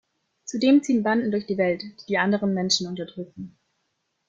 Zudem ziehen Banden durch die Welt, die die anderen Menschen unterdrücken.